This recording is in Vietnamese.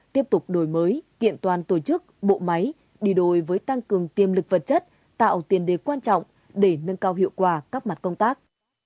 tiếp tục đổi mới kiện toàn tổ chức bộ máy đi đôi với tăng cường tiêm lực vật chất tạo tiền đề quan trọng để nâng cao hiệu quả các mặt công tác